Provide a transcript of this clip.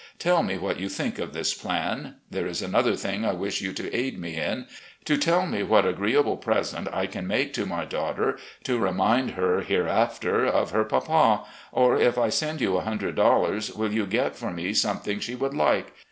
Tell me what you think of this plan. There is another thii^ I wish you to aid me in — ^to tell me what agreeable present I can make to my daughter to remind her, hereafter, of her papa, or if I send you $100 will you get for me some thing she would like